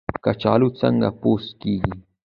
کچالو څنګه پوست کیږي؟